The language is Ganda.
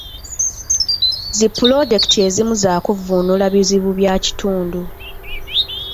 Zi pulojekiti ezimu za kuvvuunula bizibu bya kitundu.